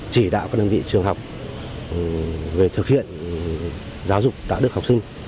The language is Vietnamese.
chỉ đạo các đơn vị trường học về thực hiện giáo dục đạo đức học sinh